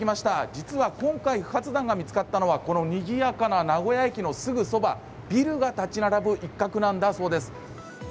実は今回不発弾が見つかったのはこのにぎやかな名古屋駅のすぐそば、ビルが立ち並ぶ一角なんだそうです。